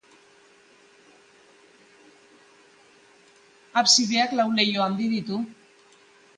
Absideak lau leiho handi ditu.